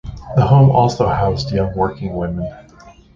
The home also housed young working women.